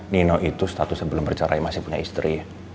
nino itu status sebelum bercerai masih punya istri